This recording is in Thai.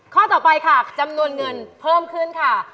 ข้อต่อไปค่ะจำนวนเงินเพิ่มขึ้นค่ะ